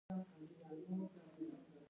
ګردې په دقیقه کې یو لیټر وینه فلټر کوي.